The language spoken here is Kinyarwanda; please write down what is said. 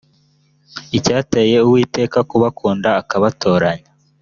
icyateye uwiteka kubakunda akabatoranya